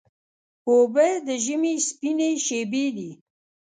اوبه د ژمي سپینې شېبې دي.